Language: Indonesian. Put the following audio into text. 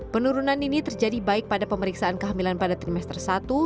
penurunan ini terjadi baik pada pemeriksaan kehamilan pada trimester satu